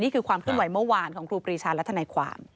นี่คือความขึ้นไหวเมื่อวานของครูกรีชารัฐนายความ